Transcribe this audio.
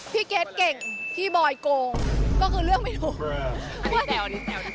เกรทเก่งพี่บอยโกงก็คือเรื่องไม่รู้